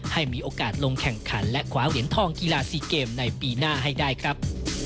ให้มีโอกาสลงแข่งขันและขวาเหรียญทองกีฬาซีเกมในปีหน้าให้ได้ครับ